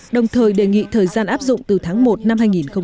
đồng thời đề nghị thời gian áp dụng từ tháng một năm hai nghìn một mươi tám